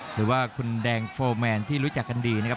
หรือว่าคุณแดงโฟร์แมนที่รู้จักกันดีนะครับ